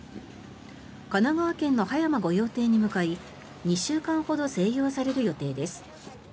神奈川県の葉山御用邸に向かい２週間ほど静養される予定です。